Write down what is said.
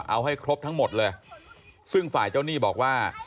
เอาให้ครบทั้งหมดเลยซึ่งฝ่ายเจ้าหนี้บอกว่า